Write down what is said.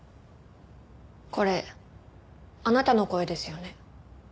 これあなたの声ですよね？